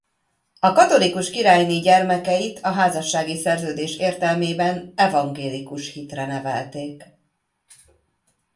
A katolikus királyné gyermekeit a házassági szerződés értelmében evangélikus hitre nevelték.